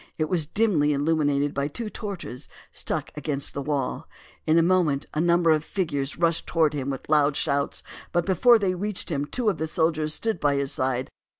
It was dimly illuminated by two torches stuck against the wall. In a moment a number of figures rushed towards him with loud shouts; but before they reached him two of the soldiers stood by his side.